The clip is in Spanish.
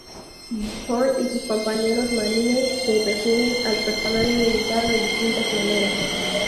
Bufón y sus compañeros marines se refieren al personal militar de distintas maneras.